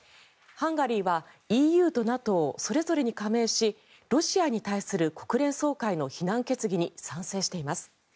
ハンガリーはＥＵとＮＡＴＯそれぞれに加盟しロシアに対する国連総会の非難決議に賛成しています。